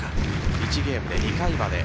１ゲームで２回まで。